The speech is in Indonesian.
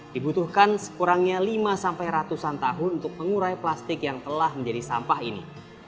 dibutuhkan sekurangnya lima sampai ratusan tahun untuk mengurai plastik yang telah menjadi sampah ini